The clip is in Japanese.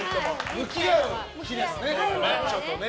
向き合う日ですねマッチョとね。